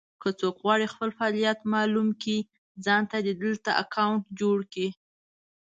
که څوک غواړي خپل فعالیت مالوم کړي ځانته دې دلته اکونټ جوړ کړي.